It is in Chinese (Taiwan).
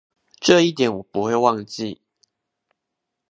這一點我不會忘記